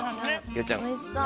おいしそう。